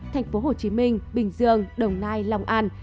thành phố hồ chí minh bình dương đồng nai long an